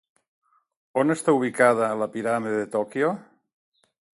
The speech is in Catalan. On està ubicada la Piràmide de Tòquio?